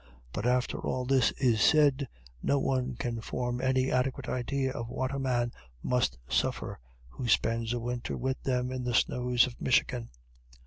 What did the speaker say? But after all this is said, no one can form any adequate idea of what a man must suffer, who spends a winter with them in the snows of Michigan.